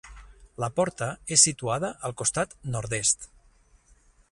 La porta és situada al costat nord-est.